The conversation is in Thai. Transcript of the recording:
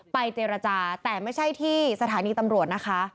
เจรจาแต่ไม่ใช่ที่สถานีตำรวจนะคะ